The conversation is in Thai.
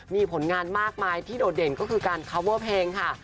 มีผลงานมากมายที่โดดเด่นก็คือการคาวเวอร์เพลงค่ะ